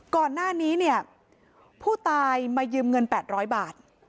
ก่อนหน้านี้เนี่ยผู้ตายมายืมเงิน๘๐๐บาท